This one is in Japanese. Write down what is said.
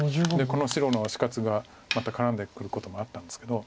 この白の死活がまた絡んでくることもあったんですけど。